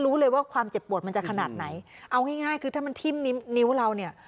รู้เลยว่าความเจ็บปวดมันจะขนาดไหนเอาง่ายง่ายคือถ้ามันทิ้มนิ้วเราเนี่ย